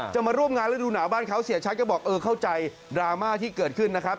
มาร่วมงานฤดูหนาวบ้านเขาเสียชัดก็บอกเออเข้าใจดราม่าที่เกิดขึ้นนะครับ